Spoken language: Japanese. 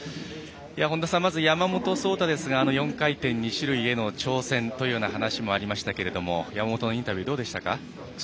本田さん、山本草太ですが４回転２種類への挑戦というような話もありましたけれども山本のインタビューどうでしたか？